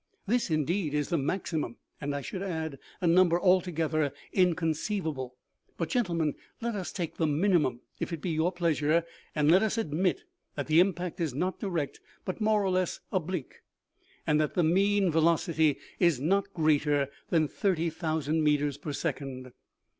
" This, indeed, is the maximum and, I should add, a number altogether inconceivable ; but, gentlemen, let us take the minimum, if it be your pleasure, and let us admit that the impact is not direct, but more or less oblique, and that the mean velocity is not greater than 30,000 meters per second.